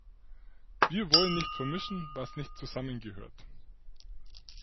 Wir wollen nicht vermischen, was nicht zusammengehört.